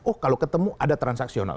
oh kalau ketemu ada transaksional